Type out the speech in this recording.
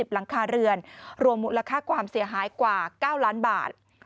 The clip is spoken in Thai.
หลังคาเรือนรวมมูลค่าความเสียหายกว่า๙ล้านบาท